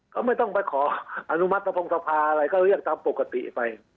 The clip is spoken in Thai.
ก็ไม่ต้องไปขออนุมัติสะพงศภาอะไรก็เรียกตามปกติไป